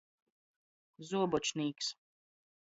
Zuobočnīks.